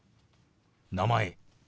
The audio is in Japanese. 「名前」。